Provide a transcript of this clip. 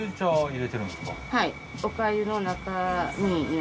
はい。